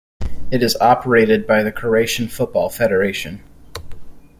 It is operated by the Croatian Football Federation.